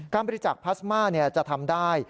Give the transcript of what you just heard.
การบริจักษ์พลาสมาเนี่ยจะทำได้